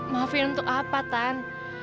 maafin untuk apa tan